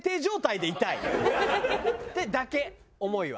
ってだけ思いは。